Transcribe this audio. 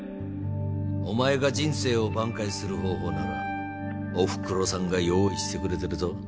お前が人生を挽回する方法ならおふくろさんが用意してくれてるぞ。